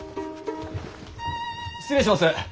失礼します。